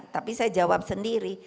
tapi saya jawab sendiri